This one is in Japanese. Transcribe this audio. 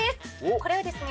これはですね